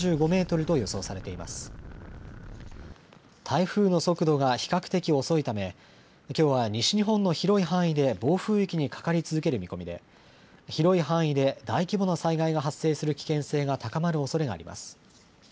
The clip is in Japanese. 台風の速度が比較的、遅いためきょうは西日本の広い範囲で暴風域にかかり続ける見込みで広い範囲で大規模な災害が発生する危険性が高まるおそれがあります。